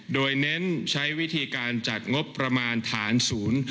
โดยเน้นใช้วิธีการจัดงบประมาณฐานศูนย์